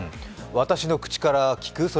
私の口から聞く？